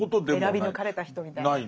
選び抜かれた人みたいな。